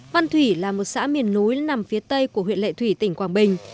văn thủy là một xã miền núi nằm phía tây của huyện lệ thủy tỉnh quảng bình